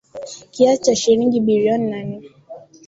Kiasi cha shilingi bilioni nane